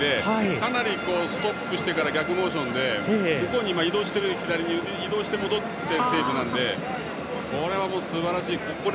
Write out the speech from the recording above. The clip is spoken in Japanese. かなりストップしてから逆モーションで左に移動して戻ってのセーブなのでこれはすばらしい。